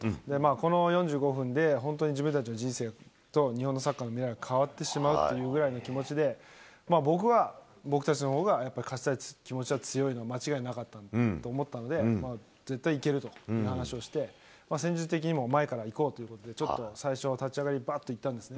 この４５分で、本当に自分たちの人生と、日本のサッカーの未来が変わってしまうっていうぐらいの気持ちで、僕は、僕たちのほうがやっぱ勝ちたいっていう気持ちが強いのは間違いなかったと思ったので、絶対いけるという話をして、戦術的にも前から行こうということで、ちょっと最初は立ち上がり、ばっといったんですね。